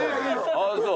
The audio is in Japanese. あっそう？